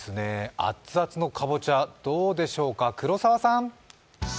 熱々のかぼちゃ、どうでしょうか、黒澤さん。